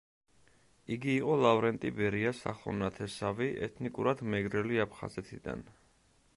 იგი იყო ლავრენტი ბერიას ახლო ნათესავი, ეთნიკურად მეგრელი აფხაზეთიდან.